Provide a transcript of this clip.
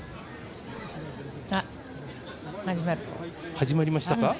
始まりましたか。